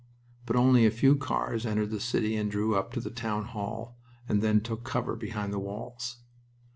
But only a few cars entered the city and drew up to the Town Hall, and then took cover behind the walls.